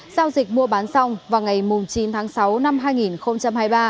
giao dịch mua bán xong vào ngày chín tháng sáu năm hai nghìn hai mươi ba